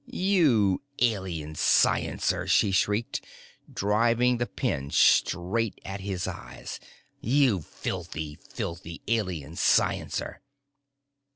"You Alien sciencer!" she shrieked, driving the pin straight at his eyes. "You filthy, filthy Alien sciencer!"